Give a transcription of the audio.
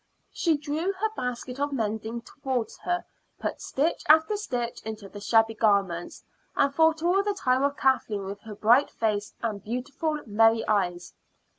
She drew her basket of mending towards her, put stitch after stitch into the shabby garments, and thought all the time of Kathleen with her bright face and beautiful, merry eyes.